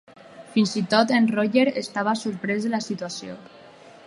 Fins i tot en Roger estava sorprès de la situació.